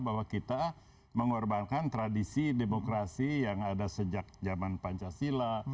bahwa kita mengorbankan tradisi demokrasi yang ada sejak zaman pancasila